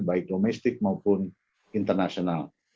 baik domestik maupun internasional